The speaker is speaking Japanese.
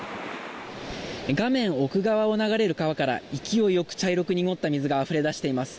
画面奥側を流れる川から勢いよく茶色く濁った水があふれ出しています。